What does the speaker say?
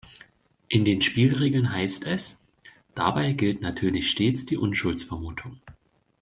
In den Spielregeln heißt es: „Dabei gilt natürlich stets die Unschuldsvermutung.